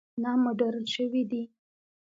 نه مډرن شوي دي.